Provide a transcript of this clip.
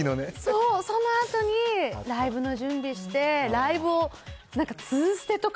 そう、そのあとに、ライブの準備して、ライブを、あったか？